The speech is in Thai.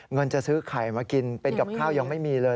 เงินจะซื้อไข่มากินเป็นกับข้าวยังไม่มีเลย